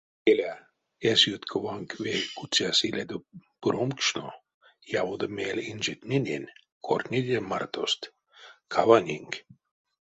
Келя, эсь юткованк ве куцяс илядо пуромкшно, яводо мель инжетненень: кортнеде мартост, каванинк.